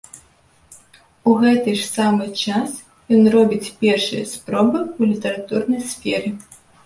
У гэты ж самы час ён робіць першыя спробы ў літаратурнай сферы.